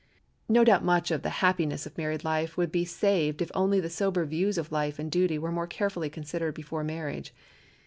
No doubt much of the unhappiness of married life would be saved if only the sober views of life and duty were more carefully considered before marriage.